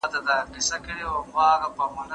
ايا ته شګه پاکوې،